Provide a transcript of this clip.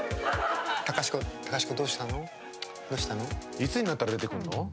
いつになったら出てくるの？